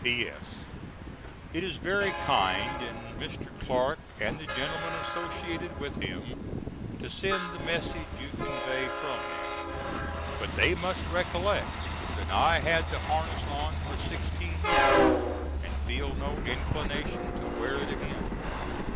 P.S. It is very kind in Mr. Clark, and the gentlemen associated with him, to send the message you convey from them; but they must recollect that I had the harness on for sixteen years and feel no inclination to wear it again.